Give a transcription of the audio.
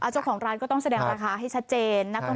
เจ้าของร้านก็ต้องแสดงราคาให้ชัดเจน